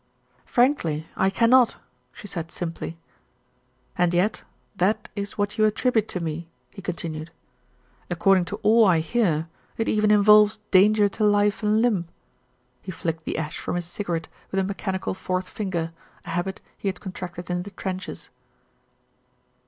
"Frankly I cannot," she said simply. "And yet that is what you attribute to me," he con tinued. "According to all I hear, it even involves danger to life and limb." He flicked the ash from his ERIC PLAYS A PART 271 cigarette with a mechanical fourth finger, a habit he had contracted in the trenches.